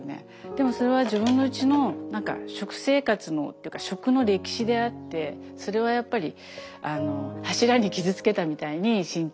でもそれは自分のうちの食生活のっていうか食の歴史であってそれはやっぱり柱に傷つけたみたいに身長の。